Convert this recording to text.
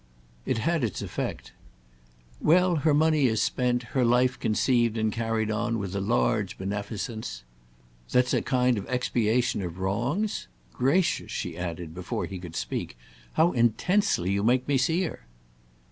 It had its effect. "Well, her money is spent, her life conceived and carried on with a large beneficence—" "That's a kind of expiation of wrongs? Gracious," she added before he could speak, "how intensely you make me see her!"